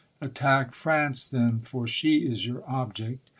Attack France, then, for she is your object.